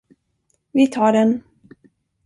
Vi tar den.